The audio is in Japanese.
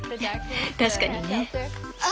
確かにね。